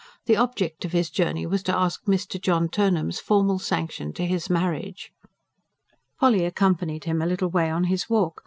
The object of his journey was to ask Mr. John Turnham's formal sanction to his marriage. Polly accompanied him a little way on his walk.